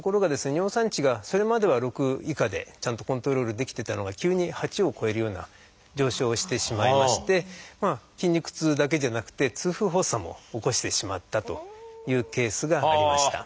尿酸値がそれまでは６以下でちゃんとコントロールできてたのが急に８を超えるような上昇をしてしまいまして筋肉痛だけじゃなくて痛風発作も起こしてしまったというケースがありました。